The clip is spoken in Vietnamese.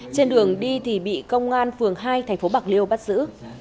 trên đường đi thì bị công an phường hai tp bạc liêu bắt giữ